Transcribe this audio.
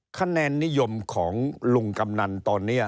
คะแนนนิยมของลุงกำนันตอนนี้